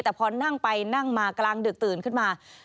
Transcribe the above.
แต่พอนั่งไปนั่งมากลางดึกตื่นขึ้นมา